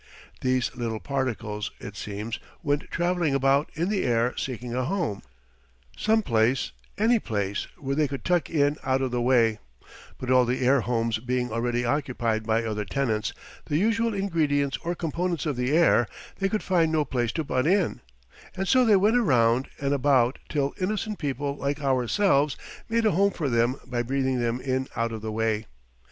These little particles, it seems, went travelling about in the air seeking a home some place, any place where they could tuck in out of the way; but all the air homes being already occupied by other tenants the usual ingredients or components of the air they could find no place to butt in; and so they went around and about till innocent people like ourselves made a home for them by breathing them in out of the way.